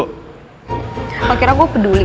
kira kira gue peduli